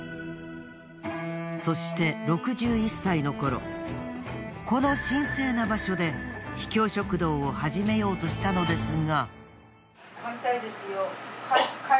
そして６１歳の頃この神聖な場所で秘境食堂を始めようとしたのですが。